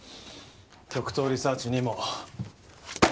極東リサーチにも。